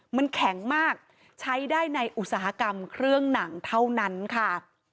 มันแข็งมากใช้ได้ในอุตสาหกรรมเครื่องหนังเท่านั้นค่ะ